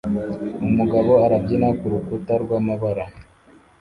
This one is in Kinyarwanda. Umugabo arabyina kurukuta rwamabara